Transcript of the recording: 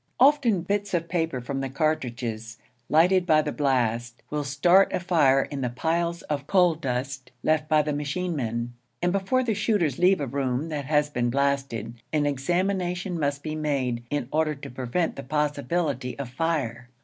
Often, bits of paper from the cartridges, lighted by the blast, will start a fire in the piles of coal dust left by the machine men; and before the shooters leave a room that has been blasted, an examination must be made in order to prevent the possibility of fire.